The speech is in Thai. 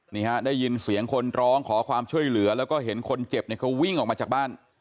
นี่ฮะได้ยินเสียงคนร้องขอความช่วยเหลือแล้วก็เห็นคนเจ็บเนี่ยเขาวิ่งออกมาจากบ้าน